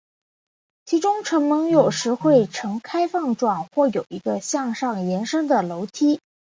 其中城门有时会呈开放状或有一个向上延伸的楼梯。